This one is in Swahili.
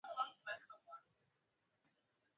shajara zinachukua muda mfupi sana kutengenezwa